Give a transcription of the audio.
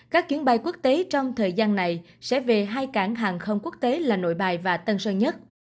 các chuyến bay quốc tế trong thời gian này sẽ về hai cảng hàng không quốc tế là nội bài và tân sơn nhất